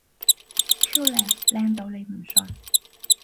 超靚！靚到你唔信！